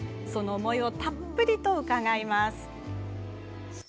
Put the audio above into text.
その思いをたっぷりと伺います。